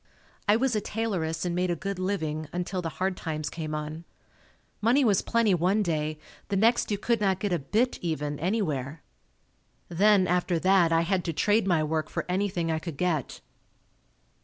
I was a tailoress and made a good living until the hard times came on. Money was plenty one day. The next you could not get a "bit" even, anywhere. Then, after that, I had to trade my work for anything I could get.